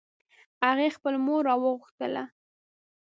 هغې خپل مور راوغوښتله